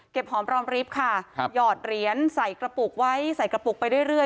หอมรอมริฟท์ค่ะครับหยอดเหรียญใส่กระปุกไว้ใส่กระปุกไปเรื่อย